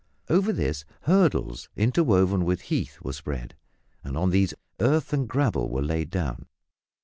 Over this hurdles interwoven with heath were spread, and on these earth and gravel were laid down.